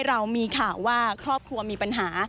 เรามีข่าวว่าครอบครัวมีปัญหา